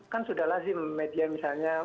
kan sudah lah sih media misalnya